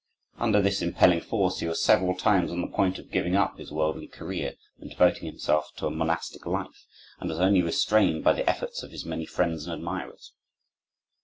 Under this impelling force he was several times on the point of giving up his worldly career and devoting himself to a monastic life, and was only restrained by the efforts of his many friends and admirers.